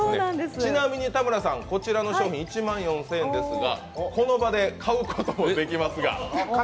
ちなみに田村さん、こちらの商品１万４０００円ですがこの場で買うこともできますが。